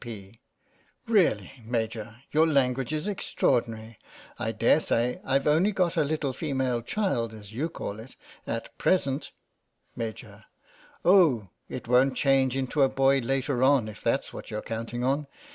P. : Really, Major, your language is extraordinary. I dare say Fve only got a little female child, as you call it, at present Maj. : Oh, it won't change into a boy later on, if that's what you're counting on.